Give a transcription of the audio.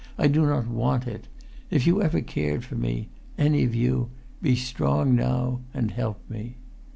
I do not want it. If you ever cared for me—any of you—be strong now and help me